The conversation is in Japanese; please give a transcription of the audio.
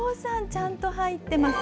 ちゃんと入ってます。